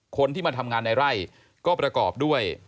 คนที่มาทำงานในไร่ก็ประกอบด้วย